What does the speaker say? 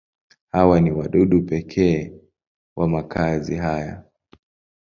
Hawa ni wadudu pekee wa makazi haya.